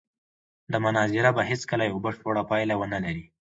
دا مناظره به هېڅکله یوه بشپړه پایله ونه لري.